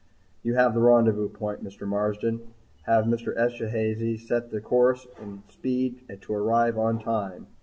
"You have the rendezvous point, Mr. Marsden. Have Mr. Esterhazy set the course and speed to arrive on time."